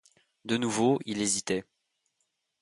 De nouveau, il hésitait.